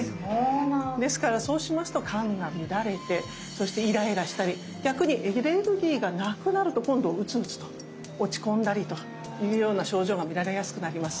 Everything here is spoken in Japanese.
ですからそうしますと肝が乱れてそしてイライラしたり逆にエネルギーがなくなると今度鬱々と落ち込んだりというような症状が見られやすくなります。